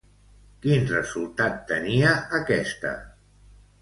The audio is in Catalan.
Quin resultat tenia aquesta?